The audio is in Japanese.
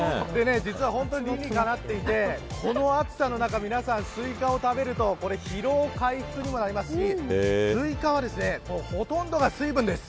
理にかなっていてこの暑さの中、スイカを食べると疲労回復にもなりますしスイカは、ほとんどが水分です。